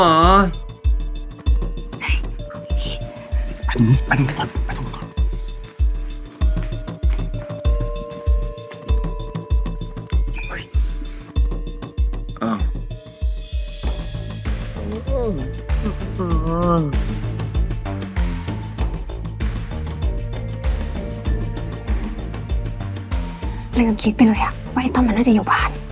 อะไรกับคิดเป็นเลยอะว่าไอ้ต้องมันน่าจะหยุดบ้าน